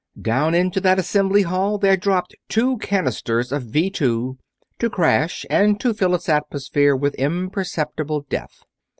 Down into that assembly hall there dropped two canisters of Vee Two, to crash and to fill its atmosphere with imperceptible death.